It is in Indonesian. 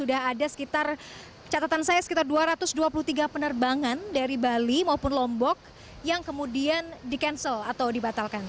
ada sekitar catatan saya sekitar dua ratus dua puluh tiga penerbangan dari bali maupun lombok yang kemudian di cancel atau dibatalkan